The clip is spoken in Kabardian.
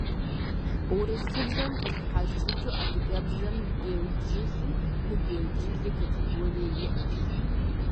Урысыбзэм къыщхьэщыкӏыу адыгэбзэм белджылы, мыбелджылы категорие иӏэщ.